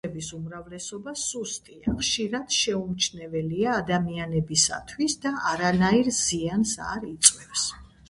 მიწისძვრების უმრავლესობა სუსტია, ხშირად შეუმჩნეველია ადამიანებისათვის და არანაირ ზიანს არ იწვევს.